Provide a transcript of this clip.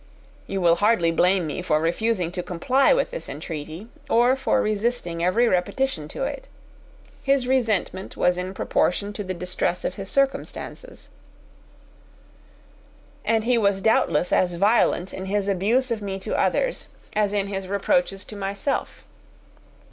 You will hardly blame me for refusing to comply with this entreaty, or for resisting every repetition of it. His resentment was in proportion to the distress of his circumstances and he was doubtless as violent in his abuse of me to others as in his reproaches to myself.